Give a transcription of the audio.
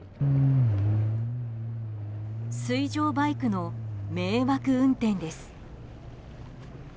水上バイクの迷惑運転です。